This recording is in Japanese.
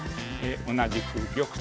同じく玉と。